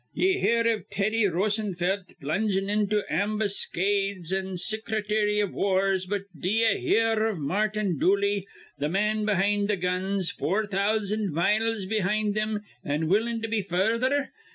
Ye hear iv Teddy Rosenfelt plungin' into ambus cades an' Sicrity iv Wars; but d'ye hear iv Martin Dooley, th' man behind th' guns, four thousan' miles behind thim, an' willin' to be further?